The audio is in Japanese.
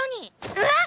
うわっ！